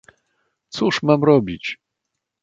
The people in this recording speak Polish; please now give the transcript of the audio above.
"cóż mam robić!"